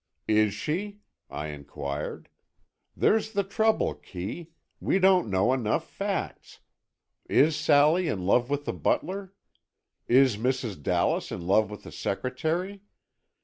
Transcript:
"Is she?" I inquired. "There's the trouble, Kee, we don't know enough facts. Is Sally in love with the butler? Is Mrs. Dallas in love with the secretary?